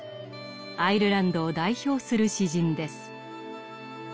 アイルランドを代表する詩人です。